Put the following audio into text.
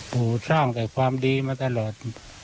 ปู่สร้างแต่ความดีมาตลอด